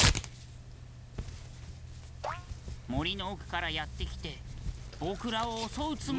もりのおくからやってきてぼくらをおそうつもりなん。